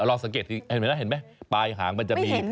ลองสังเกตเห็นไหมล่ะปลายหางมันจะมีแห่งขาว